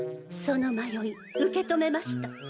その迷い受け止めました。